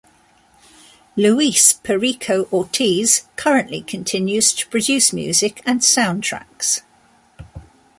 Luis "Perico" Ortiz currently continues to produce music and sound tracks.